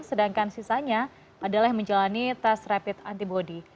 sedangkan sisanya adalah yang menjalani tes rapid antibody